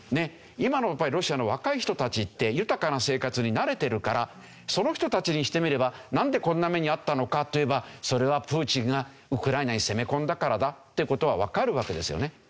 今のロシアの若い人たちって豊かな生活に慣れてるからその人たちにしてみればなんでこんな目に遭ったのかといえばそれはプーチンがウクライナに攻め込んだからだという事はわかるわけですよね。